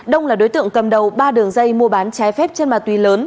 đông là đối tượng cầm đầu ba đường dây mua bán trái phép trên mặt tuy lớn